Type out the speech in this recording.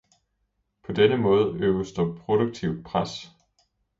På denne måde øves der produktivt pres.